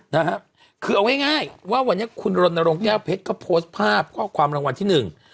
นะครับคือเอาง่ายว่าวันนี้คุณรนด์นโรงแก้วเพชรก็โพสต์ภาพก็ความรางวัลที่หนึ่ง